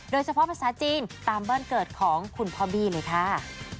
โดยเฉพาะภาษาจีนตามบ้านเกิดของคุณพ่อบี้เลยค่ะ